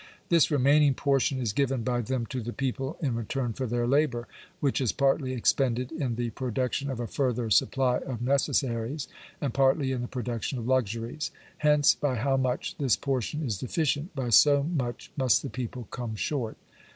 This remaining portion is given by them to the people in return for their labour, which is partly expended in the production of a further supply of ne cessaries, and partly in the production of luxuries. Hence, by how much this portion is deficient, by so much must the people come short.